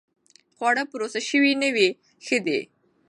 خواړه پروسس شوي نه وي، ښه دي.